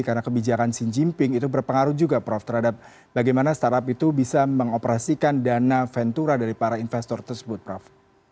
karena kebijakan si jinping itu berpengaruh juga prof terhadap bagaimana startup itu bisa mengoperasikan dana ventura dari para investor tersebut prof